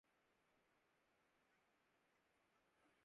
خیال سادگی ہائے تصور‘ نقشِ حیرت ہے